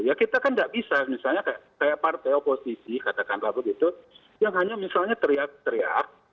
ya kita kan nggak bisa misalnya kayak partai oposisi katakanlah begitu yang hanya misalnya teriak teriak